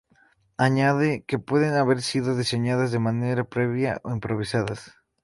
Añade que pueden haber sido diseñadas de manera previa o improvisadas.